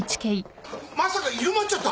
まさか入間っちゃった？